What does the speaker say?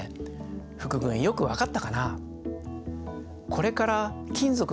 福君よく分かったかな？